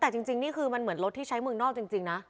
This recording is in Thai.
แต่จริงนี่คือมันเหมือนรถที่ใช้เมืองนอกจริงนะ